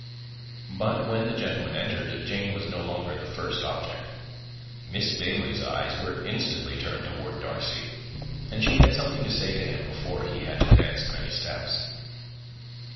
But when the gentlemen entered, Jane was no longer the first object; Miss Bingley's eyes were instantly turned towards Darcy, and she had something to say to him before he had advanced many steps.